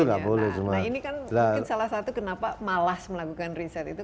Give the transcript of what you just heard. nah ini kan salah satu kenapa malas melakukan riset itu